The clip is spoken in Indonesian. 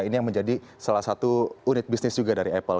ini yang menjadi salah satu unit bisnis juga dari apple